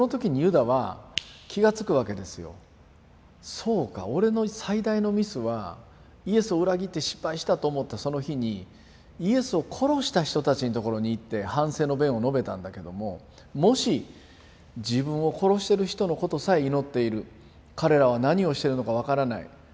そうか俺の最大のミスはイエスを裏切って失敗したと思ったその日にイエスを殺した人たちのところに行って反省の弁を述べたんだけどももし自分を殺してる人のことさえ祈っている「彼らは何をしてるのかわからない。